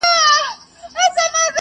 له منظور پښتین سره دي